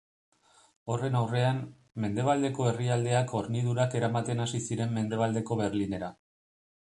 Horren aurrean, mendebaldeko herrialdeak hornidurak eramaten hasi ziren Mendebaldeko Berlinera.